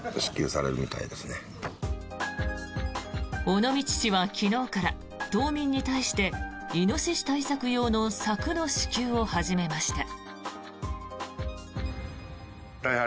尾道市は昨日から島民に対してイノシシ対策用の柵の支給を始めました。